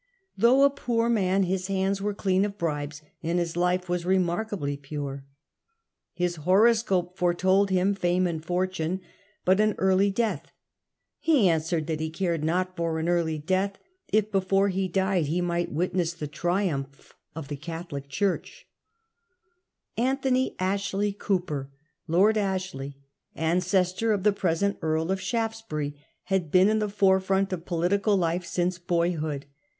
Though a poor man, his hands were clean of bribes, and his life was remarkably pure. His horoscope foretold him fame and fortune, but an early death. He answered that he cared not for an early death if before he died he might witness the triumph of the Catholic Church. 1671. Metkbers of the Cabal 195 Anthony Ashley Clooper, Lord Ashley, ancestor of the present Earl of Shaftesbury, had been in the forefront of Ashley political life since boyhood.